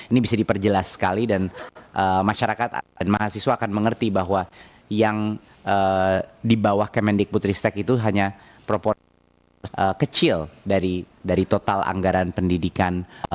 ini bisa diperjelas sekali dan masyarakat mahasiswa akan mengerti bahwa yang di bawah kemendikbud ristek itu hanya propor kecil dari total anggaran pendidikan